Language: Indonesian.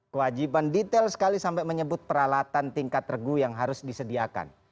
kewajiban detail sekali sampai menyebut peralatan tingkat regu yang harus disediakan